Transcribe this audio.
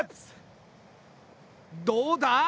どうだ？